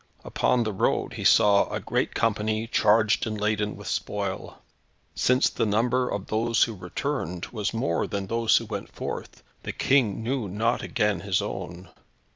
Upon the road he saw a great company, charged and laden with spoil. Since the number of those who returned was more than those who went forth, the king knew not again his own.